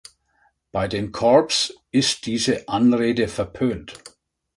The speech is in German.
Bei den Corps ist diese Anrede verpönt.